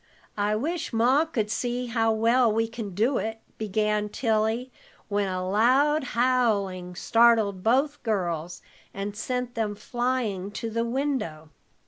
I wish Ma could see how well we can do it," began Tilly, when a loud howling startled both girls, and sent them flying to the window.